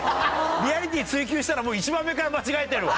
リアリティー追求したら１番目から間違えてるわ！